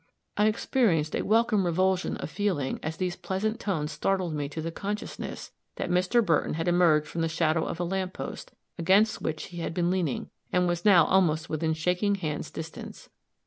I experienced a welcome revulsion of feeling as these pleasant tones startled me to the consciousness that Mr. Burton had emerged from the shadow of a lamp post, against which he had been leaning, and was now almost within shaking hands distance.